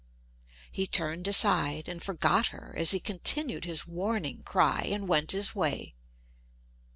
He turned aside, and forgot her, as he continued his warning cry, and went his way.